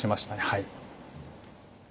はい